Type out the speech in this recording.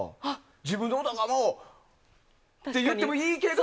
自分で小高茉緒って言ってもいいけど。